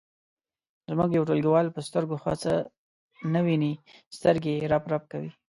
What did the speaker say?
زموږ یو ټولګیوال په سترګو ښه څه نه ویني سترګې یې رپ رپ کوي.